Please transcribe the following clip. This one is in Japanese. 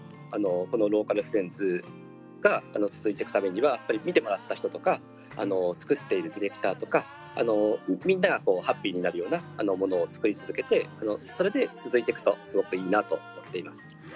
このローカルフレンズが続いていくためにはやっぱり見てもらった人とか作っているディレクターとかみんながハッピーになるようなものを作り続けてそれで続いていくとすごくいいなと思っています。